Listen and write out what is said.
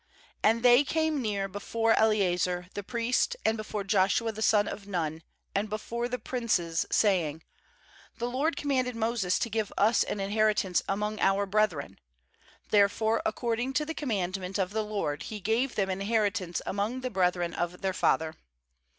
4And they came near before Eleazar the priest, and before Joshua the son of Nun, and before the princes, saying: 'The LOED commanded Moses to give us an inheritance among our brethren'; therefore according to the command ment of the LOED he gave them an inheritance among the brethren of their father.